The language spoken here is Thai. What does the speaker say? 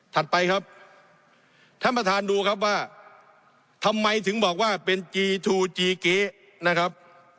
ไปครับท่านประธานดูครับว่าทำไมถึงบอกว่าเป็นจีทูจีเก๊นะครับ